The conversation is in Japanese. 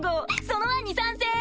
その案に賛成！